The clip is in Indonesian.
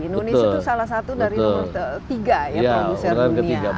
indonesia itu salah satu dari nomor tiga ya produser dunia